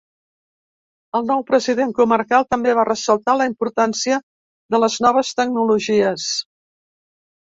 El nou president comarcal també va ressaltar la importància de les noves tecnologies.